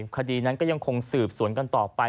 คดีนั้นก็ยังคงสืบสวนกันต่อไป